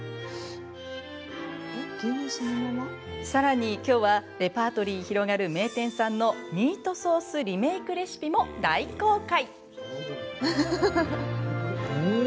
さらにきょうはレパートリー広がる名店さんのミートソースリメイクレシピも大公開。